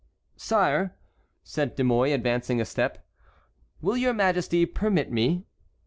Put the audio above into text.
"Sire," said De Mouy, advancing a step, "will your Majesty permit me?"